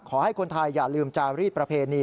ขอให้คนไทยอย่าลืมจารีดประเพณี